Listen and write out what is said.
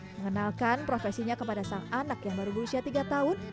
mengenalkan profesinya kepada sang anak yang baru berusia tiga tahun